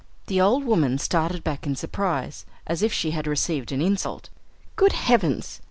The old woman started back in surprise as if she had received an insult. "Good heavens!"